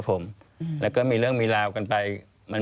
ควิทยาลัยเชียร์สวัสดีครับ